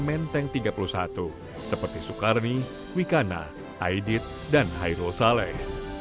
menteng tiga puluh satu seperti soekarni wikana aidit dan hairul saleh